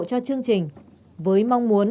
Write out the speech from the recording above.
cho chương trình với mong muốn